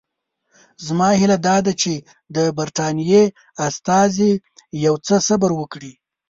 زما هیله دا ده چې د برټانیې استازي یو څه صبر وکړي.